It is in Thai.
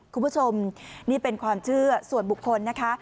คุณผู้ชมนี่เป็นความเชื่อส่วนบุคคลนะคะ